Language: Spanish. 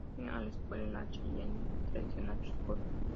Fue a la escuela en la Cheyenne Traditional School.